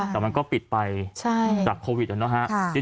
แต่มันก็ปิดไปจากโควิดนะครับ